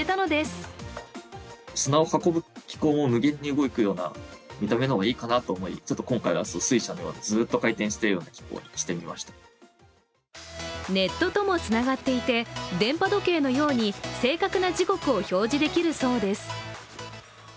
ネットともつながっていて電波時計のように正確な時刻を表示できるそうです。